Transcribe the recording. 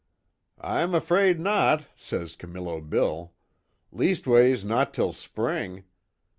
'I'm 'fraid not,' says Camillo Bill. 'Leastways not till spring.